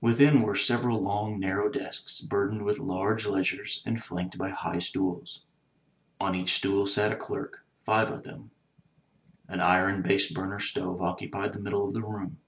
Within were several long, narrow desks burdened with large ledgers and flanked by high stools. On each stool sat a clerk — five of them. An iron "base burner" stove occupied the middle of the room.